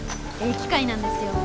機械なんですよ。